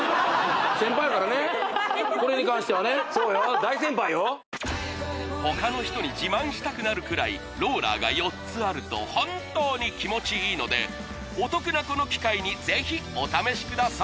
大先輩よ他の人に自慢したくなるくらいローラーが４つあると本当に気持ちいいのでお得なこの機会にぜひお試しください！